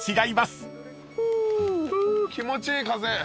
フー気持ちいい風。